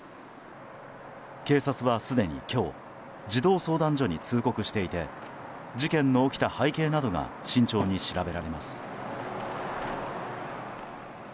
警察は、すでに今日児童相談所に通告していて事件の起きた背景などが慎重に調べられます。